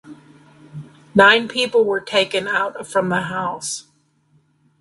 Nine people were taken out from the house.